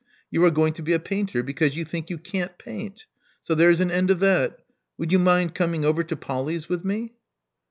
You are going to be a painter because you think you can't paint. So there's an end of that Would you mind coming over to Polly's with me?"